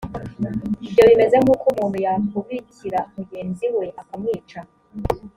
ibyo bimeze nk’uko umuntu yakubikira mugenzi we, akamwica: